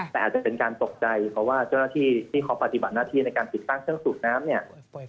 แต่อาจจะเป็นการตกใจเพราะว่าเจ้าหน้าที่ที่เขาปฏิบัติหน้าที่ในการติดตั้งเครื่องสูบน้ำเนี่ย